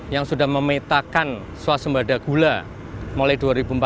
yang sudah memetakan swasembada gula mulai dua ribu empat belas